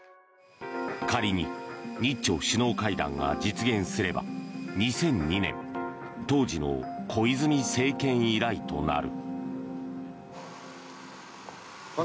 仮に、日朝首脳会談が実現すれば２００２年当時の小泉政権以来となる。